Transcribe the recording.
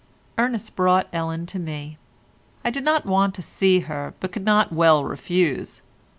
Ernest brought Ellen to me. I did not want to see her, but could not well refuse.